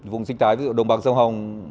vùng sinh trái ví dụ đồng bằng sông hồng